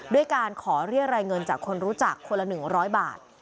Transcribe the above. ด้วยการขอเรียกรายเงินจากคนรู้จักคนละ๑๐๐บาท